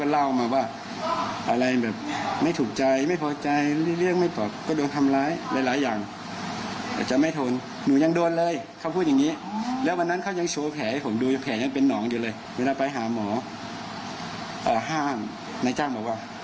แล้วทำร้ายตัวเองกันละกันเอาลองฟังชาวบ้านหน่อย